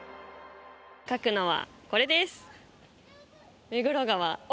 描くのはこれです。